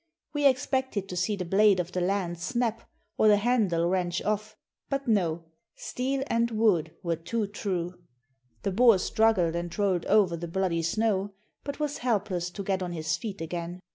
We expected to see the blade of the lance snap, or the handle wrench off; but no, steel and wood were too true. The boar struggled and rolled over the bloody snow, but was helpless to get on his feet again.